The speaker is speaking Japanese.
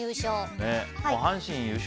阪神優勝。